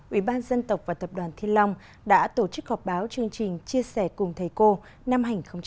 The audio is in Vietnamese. ủy ban dân tộc và tập đoàn thiên long đã tổ chức họp báo chương trình chia sẻ cùng thầy cô năm hai nghìn hai mươi